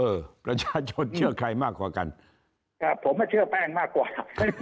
เออเออประชาชนเชื่อใครมากกว่ากันครับผมก็เชื่อแป้งมากกว่าครับ